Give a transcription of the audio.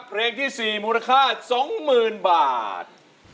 เพลงที่๔มูลค่า๒๐๐๐บาท